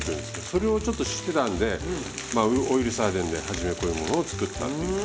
それをちょっと知ってたんでまあオイルサーディンで初めこういうものを作ったっていう。